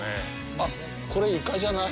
あっ、これ、イカじゃない？